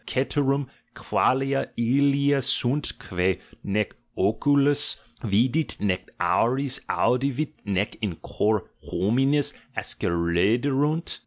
Ceterum qualia ilia sunt, quce nee oculus vidit nee auris audivit nee in cor hominis ascenderunt?"